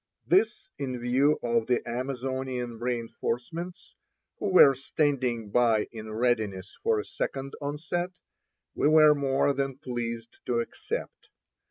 This, in view of the Amazonian reinforcements, who were standing by in readiness for a second onset, we were more than pleased to accept.